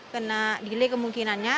kena delay kemungkinannya